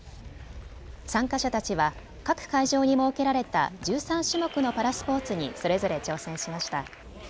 参加者たちは各会場に設けられた１３種目のパラスポーツにそれぞれ挑戦しました。